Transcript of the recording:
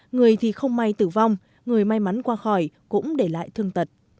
người thì không may tử vong người may mắn qua khỏi cũng để lại thương tật